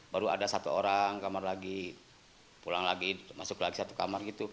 baru ada satu orang kamar lagi pulang lagi masuk lagi satu kamar gitu